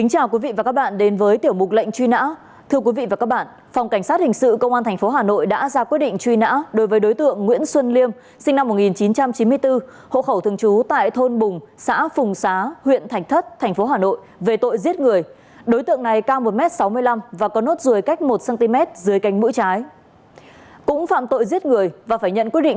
hãy đăng ký kênh để ủng hộ kênh của chúng mình nhé